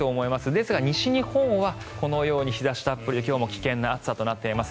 ですが西日本はこのように日差したっぷりで今日も危険な暑さとなっています。